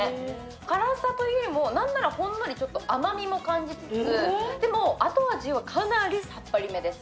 辛さというよりも、何ならちょっと甘みも感じつつ、でも、後味はかなりさっぱりめです。